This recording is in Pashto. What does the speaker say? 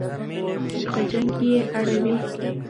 په جنګ یې اړوي.